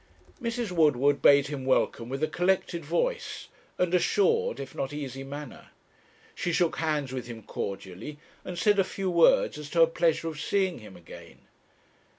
Mrs. Woodward bade him welcome with a collected voice, and assured, if not easy manner. She shook hands with him cordially, and said a few words as to her pleasure of seeing him again.